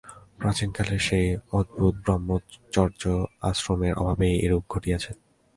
প্রাচীনকালের সেই অদ্ভুত ব্রহ্মচর্য-আশ্রমের অভাবেই এরূপ ঘটিয়াছে।